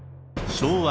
［昭和。